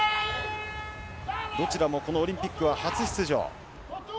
どちらもこのオリンピックは初出場。